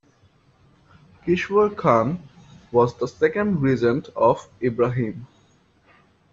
Kishvar Khan was the second regent of Ibrahim.